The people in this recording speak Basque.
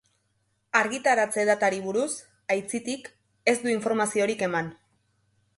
Argitaratze-datari buruz, aitzitik, ez du informaziorik eman.